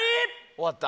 終わった。